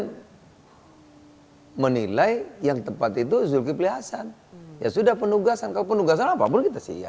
saya menilai yang tepat itu zulkifli hasan ya sudah penugasan kalau penugasan apapun kita siap